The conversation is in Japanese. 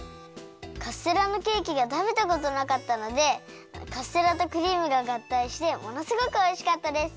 カステラのケーキがたべたことなかったのでカステラとクリームががったいしてものすごくおいしかったです。